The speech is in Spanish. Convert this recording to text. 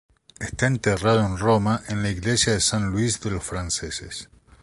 Está enterrado en Roma en la Iglesia de San Luis de los Franceses.